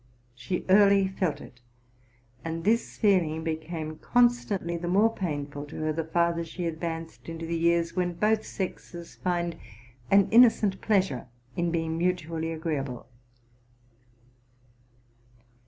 She early felt it; and this feeling became constantly the more painful to her, the farther she advanced into the years when both sexes find an innocent pleasure in being mutually agreeable.